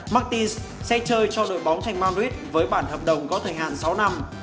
martins sẽ chơi cho đội bóng thành madrid với bản hợp đồng có thời hạn sáu năm